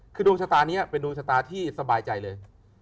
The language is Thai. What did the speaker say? คือดวงชะตานี้เป็นดวงชะตาที่สบายใจเลย